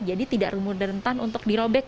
jadi tidak remuner rentan untuk dirobek